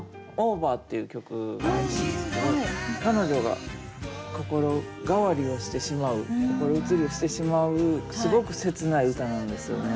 「Ｏｖｅｒ」っていう曲があるんですけど彼女が心変わりをしてしまう心移りをしてしまうすごく切ない歌なんですよね。